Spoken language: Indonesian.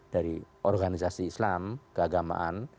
dari organisasi islam keagamaan